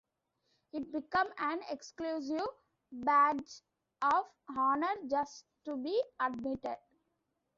It became an exclusive badge of honor just to be admitted.